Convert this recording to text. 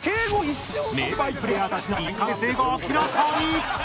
名バイプレイヤーたちの意外な関係性が明らかに！